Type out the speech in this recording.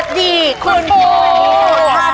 ขอบคุณครับ